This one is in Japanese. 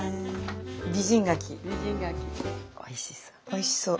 おいしそう。